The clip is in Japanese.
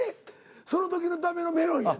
その時のためのメロンやねん。